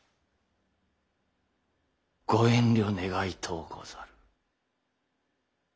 ご遠慮願いとうござる。